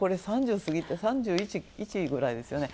これ３０過ぎて、３１くらいですよね。